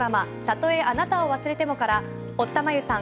「たとえあなたを忘れても」から堀田真由さん